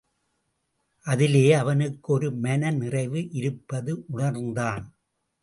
அதிலே அவனுக்கு ஒரு மனநிறைவு இருப்பது உணர்ந்தான்.